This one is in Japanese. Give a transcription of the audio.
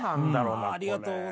ありがとうございます。